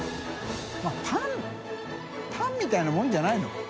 泙パンパンみたいなもんじゃないの？